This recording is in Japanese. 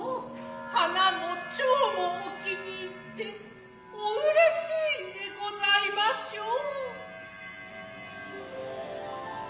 花も胡蝶もお気に入つてお嬉しいんでございませう。